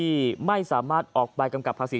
จำนวนนักท่องเที่ยวที่เดินทางมาพักผ่อนเพิ่มขึ้นในปีนี้